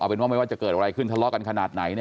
เอาเป็นว่าจะเกิดอะไรขึ้นทะเลาะกันขนาดไหน